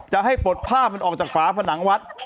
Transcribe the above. จะให้ปลดผ้ามันออกจากฝาผนังวัด